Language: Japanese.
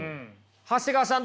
長谷川さん